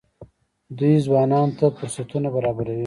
دوی ځوانانو ته فرصتونه برابروي.